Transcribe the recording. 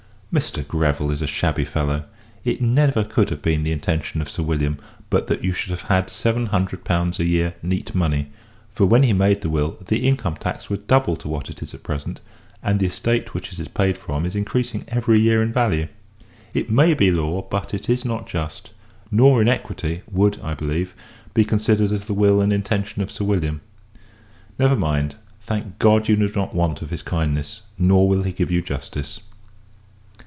Mr. Greville is a shabby fellow! It never could have been the intention of Sir William, but that you should have had seven hundred pounds a year neat money; for, when he made the will, the Income Tax was double to what it is at present; and the estate which it is paid from is increasing every year in value. It may be law, but it is not just; nor in equity would, I believe, be considered as the will and intention of Sir William. Never mind! Thank God, you do not want any of his kindness; nor will he give you justice.